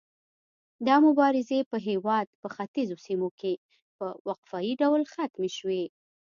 دا مبارزې په هیواد په ختیځو سیمو کې په وقفه يي ډول ختمې شوې.